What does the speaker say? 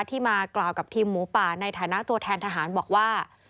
ที่มากล่าวกับทีมหมูป่าในฐานะตัวแทนทหารบอกว่า